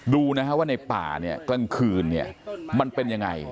ดูนะฮะว่าในป่าเนี่ยกลางคืนเนี่ยมันเป็นยังไง